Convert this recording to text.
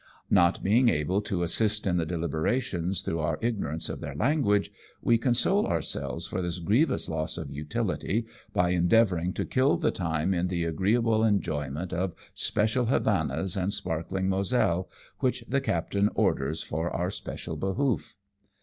Not being able to assist in the deliberations through our ignorance of their language, we console ourselves for this grievous loss of utility by endeavouring to kill the time in the agreeable enjoyment of special Havanas and sparkling Moselle, which the captain orders for our special behoof.